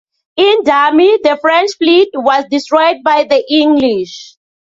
In Damme, the French fleet was destroyed by the English.